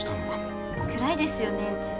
暗いですよねうち。